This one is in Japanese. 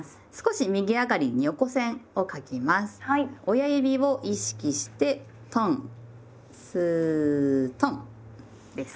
親指を意識してトンスートンです。